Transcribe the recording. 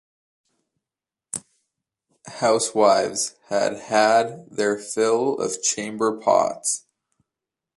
Housewives had had their fill of chamber pots.